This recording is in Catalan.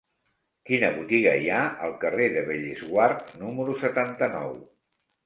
Quina botiga hi ha al carrer de Bellesguard número setanta-nou?